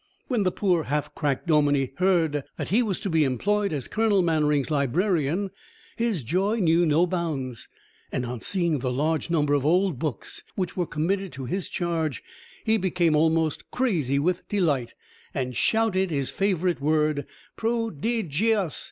When the poor half cracked dominie heard that he was to be employed as Colonel Mannering's librarian, his joy knew no bounds; and on seeing the large number of old books which were committed to his charge he became almost crazy with delight, and shouted his favourite word, "Pro di gi ous!"